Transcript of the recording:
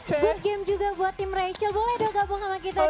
tapi ji good game juga buat tim rachel boleh dong gabung sama kita di stage